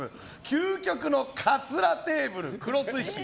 究極のカツラテーブルクロス引き。